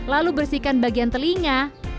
lalu bersihkan bagian telinga